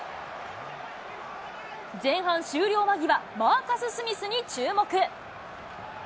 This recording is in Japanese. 前半終了間際、マーカス・スミスに注目。